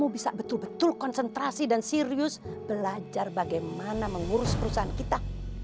bisa betul betul konsentrasi dan serius belajar bagaimana mengurus perusahaan kita